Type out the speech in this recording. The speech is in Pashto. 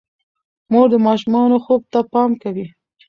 مور د ماشومانو خوب ته پام کوي.